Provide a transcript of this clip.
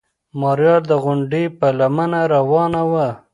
ماريا د غونډۍ په لمنه روانه وه.